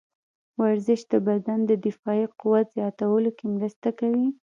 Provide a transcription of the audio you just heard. ورزش د بدن د دفاعي قوت زیاتولو کې مرسته کوي.